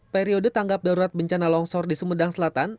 periode tanggap darurat bencana longsor di sumedang selatan